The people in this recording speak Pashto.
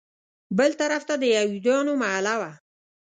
بل طرف ته د یهودیانو محله وه.